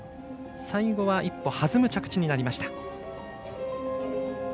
最後は１歩弾む着地になりました。